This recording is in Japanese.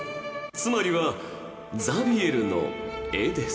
つまりは、ザビエルの絵です。